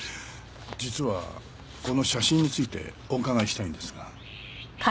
実はこの写真についてお伺いしたいんですが。